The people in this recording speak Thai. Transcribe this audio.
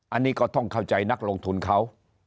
อันนี้ก็ต้องเข้าใจนักลงทุนเขา